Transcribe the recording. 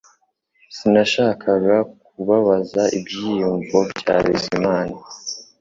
Sinashakaga kubabaza ibyiyumvo bya Bizimana